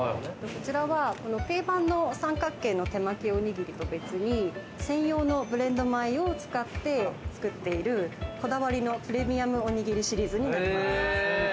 こちらは定番の三角形の手巻おにぎりとは別に、専用のブレンド米を使って作っている、こだわりのプレミアムおにぎりシリーズになります。